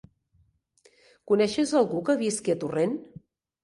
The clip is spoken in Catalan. Coneixes algú que visqui a Torrent?